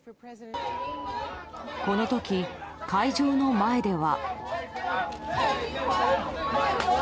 この時、会場の前では。